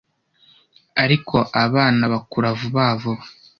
ariko abana bakura vuba vuba